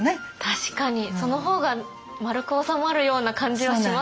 確かにその方が丸く収まるような感じはしますね。